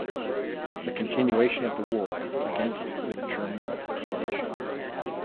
The continuation of the war against the German coalition.